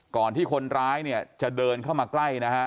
ก่อนที่คนร้ายเนี่ยจะเดินเข้ามาใกล้นะฮะ